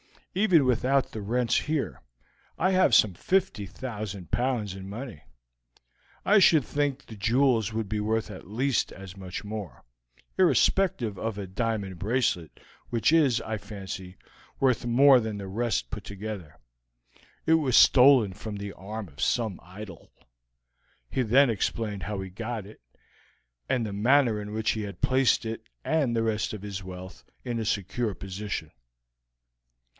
Even without the rents here, I have some 50,000 pounds in money. I should think the jewels would be worth at least as much more, irrespective of a diamond bracelet which is, I fancy, worth more than the rest put together. It was stolen from the arm of some idol.' He then explained how he got it, and the manner in which he had placed it and the rest of his wealth in a secure position.